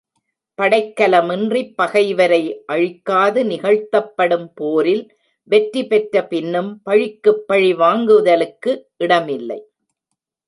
. படைக்கலமின்றிப் பகைவரை அழிக்காது நிகழ்த்தப்படும் போரில் வெற்றி பெற்ற பின்னும் பழிக்குப் பழி வாங்குதலுக்கு இடமில்லை.